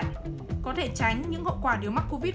có thể tránh những hậu quả điều mắc covid một mươi chín